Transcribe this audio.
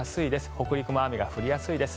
北陸も雨が降りやすいです。